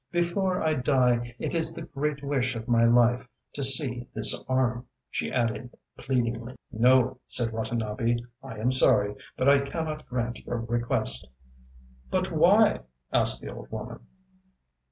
Before I die it is the great wish of my life to see this arm, ŌĆØ she added pleadingly. ŌĆ£No, ŌĆØ said Watanabe, ŌĆ£I am sorry, but I cannot grant your request. ŌĆØ ŌĆ£But why? ŌĆØ asked the old woman.